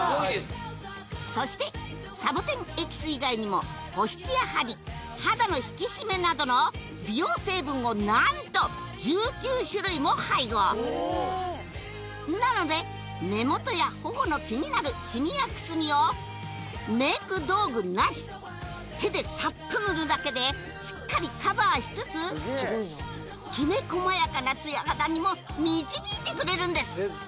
そしてサボテンエキス以外にも保湿やハリ肌の引き締めなどの美容成分を何と１９種類も配合なので目元やほほの気になるシミやくすみをメイク道具なし手でサッと塗るだけでしっかりカバーしつつきめ細やかなツヤ肌にも導いてくれるんです